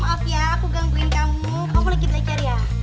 maaf ya aku gangguin kamu aku lagi belajar ya